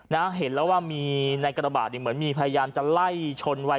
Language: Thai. นะเห็นแล้วว่ามีในกระบาดเนี่ยเหมือนมีพยายามจะไล่ชนวัย